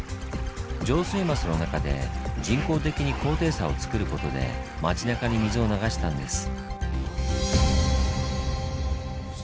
上水枡の中で人工的に高低差をつくることで町なかに水を流したんです。